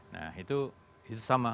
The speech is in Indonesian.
nah itu sama